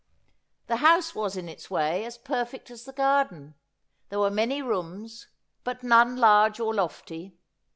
The house was, in its way, as perfect as the garden. There were many rooms, but none large or lof tj'.